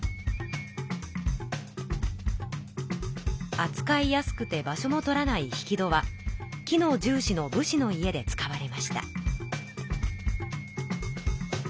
あつかいやすくて場所も取らない引き戸は機能重しの武士の家で使われました。